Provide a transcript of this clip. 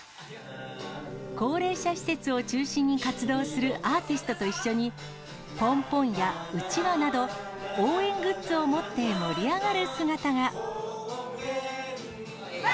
高齢者施設を中心に活動するアーティストと一緒に、ポンポンやうちわなど、応援グッズを持って盛り上がる姿が。